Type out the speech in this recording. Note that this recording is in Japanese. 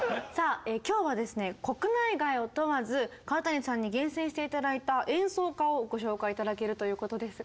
今日はですね国内外を問わず川谷さんに厳選して頂いた演奏家をご紹介頂けるということですが。